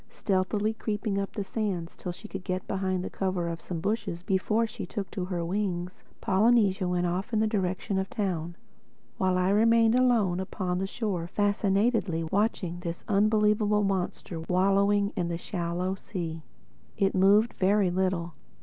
Stealthily creeping up the sands till she could get behind the cover of some bushes before she took to her wings, Polynesia went off in the direction of the town; while I remained alone upon the shore fascinatedly watching this unbelievable monster wallowing in the shallow sea. It moved very little.